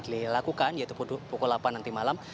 dilihat lakukan yaitu pukul delapan nanti malam